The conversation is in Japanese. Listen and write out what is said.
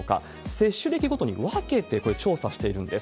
接種歴ごとに分けて、これ、調査しているんです。